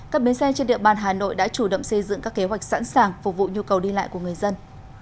các bến xe trên địa bàn hà nội đã chủ động xây dựng các kế hoạch sẵn sàng phục vụ nhu cầu đi lại của người dân